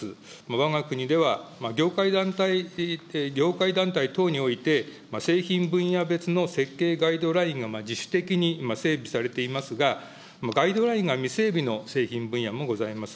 わが国では業界団体、業界団体等において、製品分野別の設計ガイドラインが自主的に整備されていますが、ガイドラインが未整備の製品分野もございます。